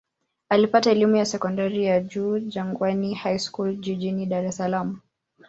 Alipata elimu ya sekondari ya juu Jangwani High School jijini Dar es Salaam.